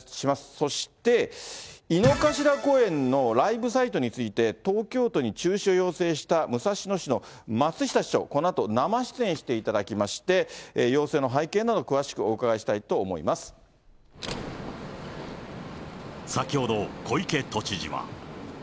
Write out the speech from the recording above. そして、井の頭公園のライブサイトについて、東京都に中止を要請した武蔵野市の松下市長、このあと生出演していただきまして、要請の背景など、先ほど、小池都知事は。